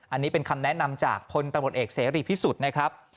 อันนี้เป็นคำแนะนำจากพลตำรวจเอกเสรีพิสุทธิ์นะครับ